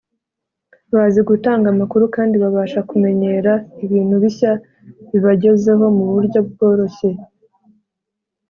bazi gutanga amakuru kandi babasha kumenyera ibintu bishya bibagezeho mu buryo bworoshye